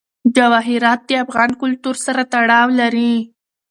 جواهرات د افغان کلتور سره تړاو لري.